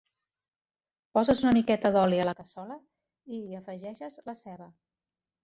Poses una miqueta d'oli a la cassola i hi afegeixes la ceba.